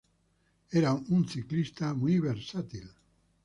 Era un ciclista muy versátil.